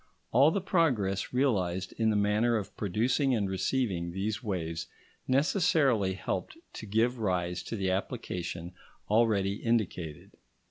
All the progress realised in the manner of producing and receiving these waves necessarily helped to give rise to the application already indicated.